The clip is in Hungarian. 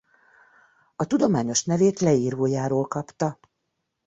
A tudományos nevét leírójáról kapta.